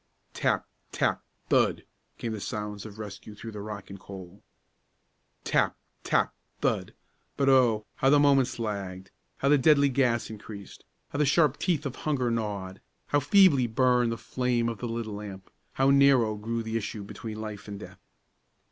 Tap, tap, thud, came the sounds of rescue through the rock and coal. Tap, tap, thud; but, oh, how the moments lagged; how the deadly gas increased; how the sharp teeth of hunger gnawed; how feebly burned the flame of the little lamp; how narrow grew the issue between life and death!